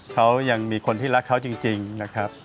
เขายังมีคนที่รักเขาจริงนะครับ